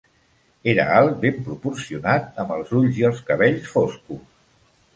Era alt, ben proporcionat, amb els ulls i els cabells foscos.